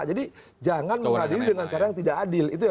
jadi jangan mengadili dengan cara yang tidak adil